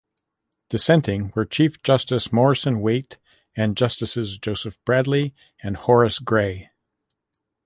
Dissenting were Chief Justice Morrison Waite and Justices Joseph Bradley and Horace Gray.